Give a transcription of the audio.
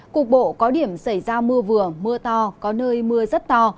cục bộ có điểm xảy ra mưa vừa mưa to có nơi mưa rất to